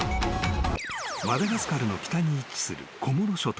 ［マダガスカルの北に位置するコモロ諸島］